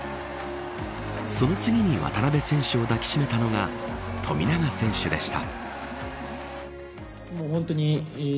その次に渡邊選手を抱き締めたのが富永選手でした。